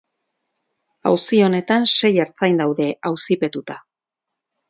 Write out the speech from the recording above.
Auzi honetan sei ertzain daude auzipetuta.